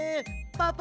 パパ。